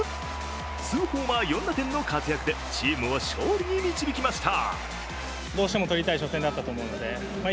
２ホーマー４打点の活躍でチームを勝利に導きました。